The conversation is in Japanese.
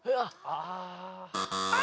・ああ！